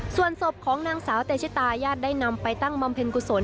ส่วนศพของนางสาวเตชิตายาดได้นำไปตั้งบำเพ็ญกุศล